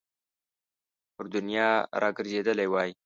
پر دنیا را ګرځېدلی وای.